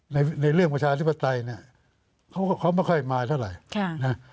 ในในเรื่องประชาธิปไตยเนี้ยเขาก็เขาไม่ค่อยมาเท่าไรค่ะนะฮะ